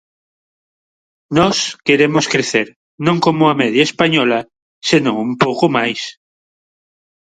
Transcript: Nós queremos crecer, non como a media española, senón un pouco máis.